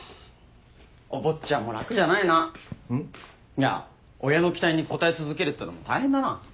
いや親の期待に応え続けるってのも大変だな。